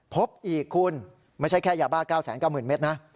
พบอีกคุณไม่ใช่แค่ยาบ้า๙๙๐๐เมตรนะ